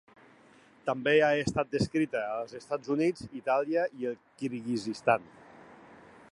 També ha estat descrita als Estats Units, Itàlia i el Kirguizistan.